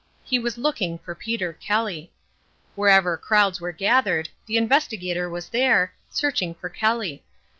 He was looking for Peter Kelly. Wherever crowds were gathered, the Investigator was there, searching for Kelly.